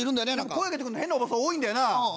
声かけてくるの変なおばさん多いんだよな。